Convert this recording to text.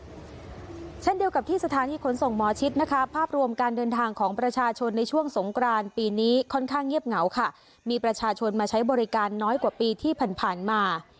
เช่นเดียวกับที่สถานีขนส่งหมอชิดนะคะภาพรวมการเดินทางของประชาชนในช่วงสงกรานปีนี้ค่อนข้างเงียบเหงาค่ะมีประชาชนมาใช้บริการน้อยกว่าปีที่ผ่านมา